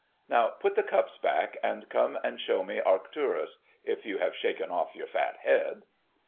Now put the cups back, and come and show me Arcturus—if you have shaken off your fat head!"